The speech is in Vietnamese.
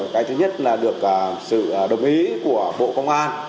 cái thứ nhất là được sự đồng ý của bộ công an